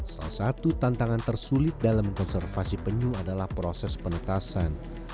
salah satu tantangan tersulit dalam konservasi penyu adalah proses penetasan